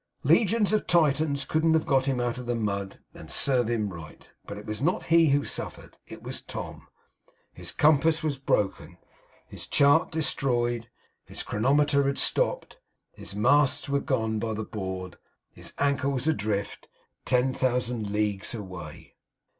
Legions of Titans couldn't have got him out of the mud; and serve him right! But it was not he who suffered; it was Tom. His compass was broken, his chart destroyed, his chronometer had stopped, his masts were gone by the board; his anchor was adrift, ten thousand leagues away.